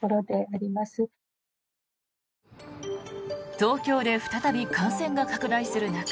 東京で再び感染が拡大する中